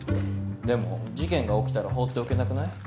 でも事件が起きたら放っておけなくない？